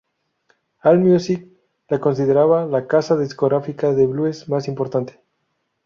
Allmusic la considera la casa discográfica de blues más importante.